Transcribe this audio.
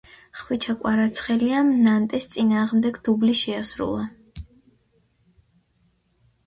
ხვიჩა კვარაცხელიამ ნანტეს წინააღმდეგ დუბლი შეასრულა